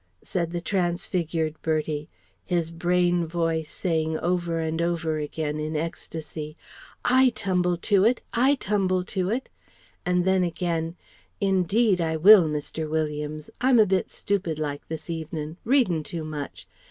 said the transfigured Bertie (his brain voice saying over and over again in ecstasy ... "I tumble to it! I tumble to it!"). And then again "Indeed I will, Mr. Williams. I'm a bit stupidlike this evenin' ... readin' too much....